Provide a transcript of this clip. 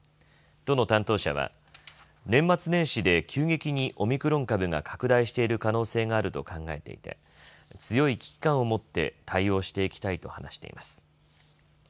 都の担当者は年末年始で急激にオミクロン株が拡大している可能性があると考えていて強い危機感をもって対応していきたいと話しています。